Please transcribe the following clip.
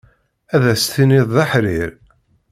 Ad as-tiniḍ d aḥrir.